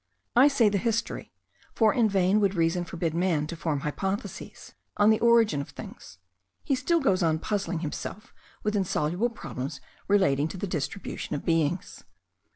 I say the history; for in vain would reason forbid man to form hypotheses on the origin of things; he still goes on puzzling himself with insoluble problems relating to the distribution of beings.